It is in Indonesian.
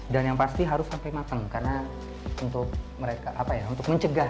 dan yang pasti harus sampai matang karena untuk mereka apa ya untuk mencegah